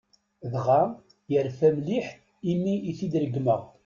Dɣa, yerfa mliḥ imi i t-regmeɣ.